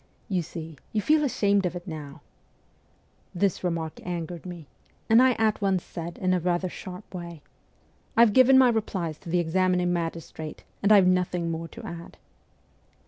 ' You see ! You feel ashamed of it now ' This remark angered me, and I at once said in a rather sharp way, 'I have given my replies to the examining magistrate, and have nothing more to add.'